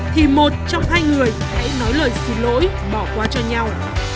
thì một trong hai người hãy nói lời xin lỗi bỏ qua cho nhau